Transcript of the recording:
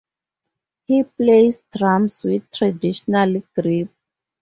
He plays drums with traditional grip.